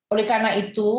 oleh karena itu